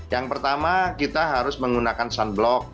yang pertama kita harus menggunakan sunblock